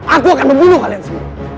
aku akan membunuh kalian semua